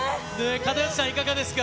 片寄さん、いかがですか？